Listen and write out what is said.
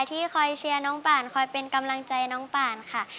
ที่คอยเชียร์น้องป่านคอยเป็นกำลังใจน้องป่านค่ะ